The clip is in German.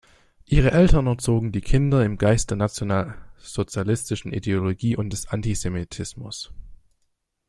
Ihre Eltern erzogen die Kinder im Geist der nationalsozialistischen Ideologie und des Antisemitismus.